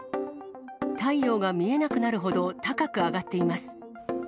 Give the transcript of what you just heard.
太陽が見えなくなるほど高く上がっています。